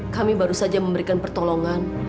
kami baru saja memberikan pertolongan